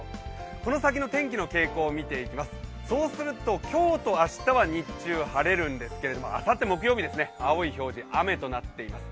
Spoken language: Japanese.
この先の天気の傾向を見ていきます、今日と明日は日中晴れるんですけれども、あさって木曜日は青い表示、雨となっています。